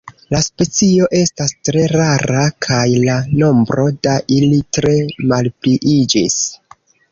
La specio estas tre rara kaj la nombro da ili tre malpliiĝis.